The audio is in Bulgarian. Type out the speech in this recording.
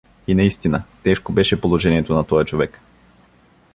И наистина тежко беше положението на тоя човек.